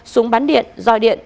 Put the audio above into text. súng bắn điện roi điện